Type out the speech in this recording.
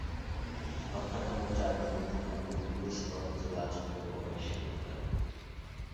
হত্যাকাণ্ডের চারদিনের দিন একদল পুলিশ কর্মচারী আচমকা ঘরে এসে ঢুকলেন।